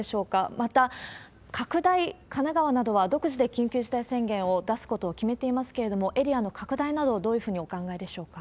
また拡大、神奈川などは独自で緊急事態宣言を出すことを決めていますけれども、エリアの拡大など、どういうふうにお考えでしょうか？